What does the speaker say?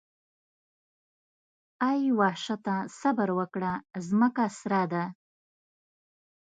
اې وحشته صبر وکړه ځمکه سره ده.